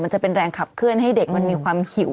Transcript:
มันจะเป็นแรงขับเคลื่อนให้เด็กมันมีความหิว